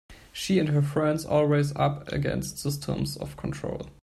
She and her friends are always up against systems of control.